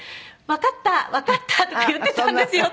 「わかったわかった」とか言ってたんですよ